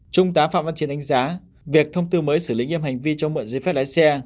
trung tá phạm văn chiến đánh giá việc thông tư mới xử lý nghiêm hành vi cho mượn giấy phép lái xe